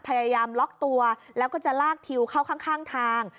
พยายามล็อกตัวแล้วก็จะลากทิวเข้าข้างทาง